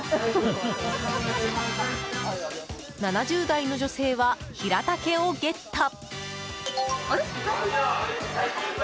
７０代の女性はヒラタケをゲット。